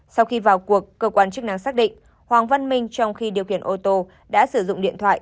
sau khi vào cuộc cơ quan chức năng xác định hoàng văn minh trong khi điều khiển ô tô đã sử dụng điện thoại